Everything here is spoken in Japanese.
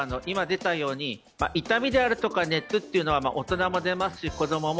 今、出たように痛みであるとか熱というのは大人も出ますし。